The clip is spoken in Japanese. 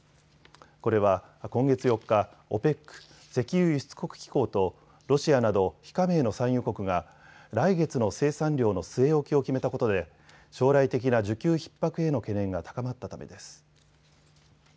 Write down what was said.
これは今月４日、ＯＰＥＣ・石油輸出国機構とロシアなど非加盟の産油国が来月の生産量の据え置きを決めたことで将来的な需給ひっ迫への懸念が高まったためです。